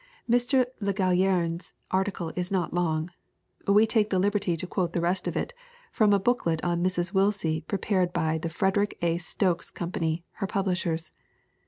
Mr. Le Gallienne's article is not long. We take the liberty to quote the rest of it from a booklet on Mrs. Willsie prepared by the Frederick A. Stokes Com pany, her publishers.